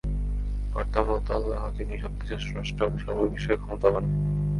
কর্তা মূলত আল্লাহ যিনি সবকিছুর স্রষ্টা ও সর্ববিষয়ে ক্ষমতাবান।